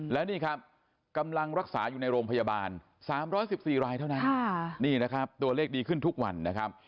แล้วนี่ครับกำลังรักษาอยู่ในโรงพยาบาล๓๑๔รายเท่านั้นนี่นะครับตัวเลขดีขึ้นทุกวันนะครับ